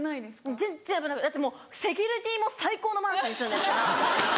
全然だってセキュリティーも最高のマンションに住んでるから。